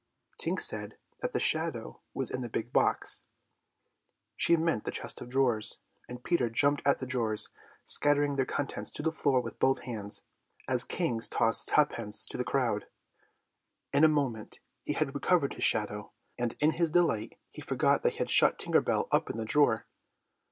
Tink said that the shadow was in the big box. She meant the chest of drawers, and Peter jumped at the drawers, scattering their contents to the floor with both hands, as kings toss ha'pence to the crowd. In a moment he had recovered his shadow, and in his delight he forgot that he had shut Tinker Bell up in the drawer.